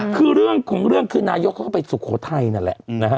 คือเรื่องของเรื่องคือนายกเขาก็ไปสุโขทัยนั่นแหละนะฮะ